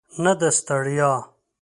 نه د ستړیا.